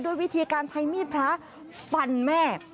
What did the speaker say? วิธีการใช้มีดพระฟันแม่